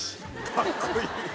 かっこいい。